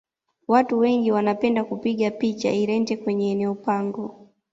watu wengi wanapenda kupiga picha irente kwenye eneo pango